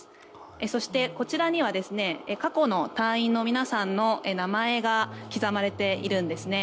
そして、こちらには過去の隊員の皆さんの名前が刻まれているんですね。